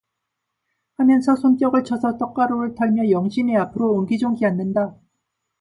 하면서 손뼉을 쳐서 떡가루를 털며 영신의 앞으로 옹기종기 모여 앉는다.